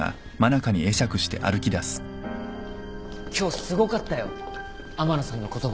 今日すごかったよ天野さんの言葉。